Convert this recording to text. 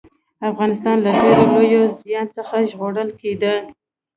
افغانستان له ډېر لوی زيان څخه ژغورل کېده